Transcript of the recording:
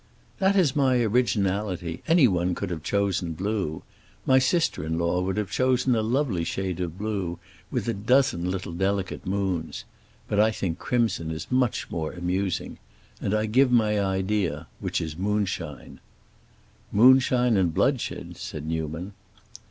"That is my originality; anyone could have chosen blue. My sister in law would have chosen a lovely shade of blue, with a dozen little delicate moons. But I think crimson is much more amusing. And I give my idea, which is moonshine." "Moonshine and bloodshed," said Newman.